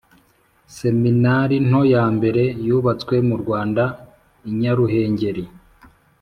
Seminari nto yambere yubatswe mu Rwanda, i Nyaruhengeri